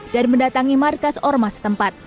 mendatangi markas ormas tempat